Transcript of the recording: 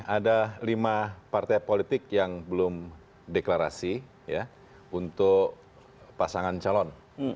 ada lima partai politik yang belum deklarasi untuk pasangan calon